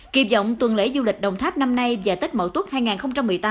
kịp dọng tuần lễ du lịch đồng tháp năm nay và tết mậu tuất hai nghìn một mươi tám